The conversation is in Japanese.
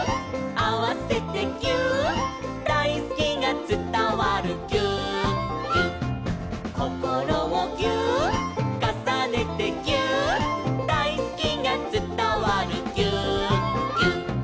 「あわせてぎゅーっ」「だいすきがつたわるぎゅーっぎゅっ」「こころをぎゅーっ」「かさねてぎゅーっ」「だいすきがつたわるぎゅーっぎゅっ」